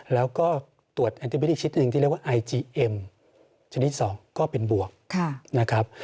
แล้วก็ตรวจอีกชิดหนึ่งที่เรียกว่าชนิดสองก็เป็นบวกค่ะนะครับ